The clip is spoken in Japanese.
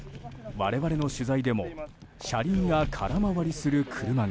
我々の取材でも車輪が空回りする車が。